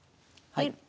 はい。